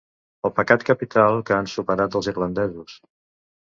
El pecat capital que han superat els irlandesos.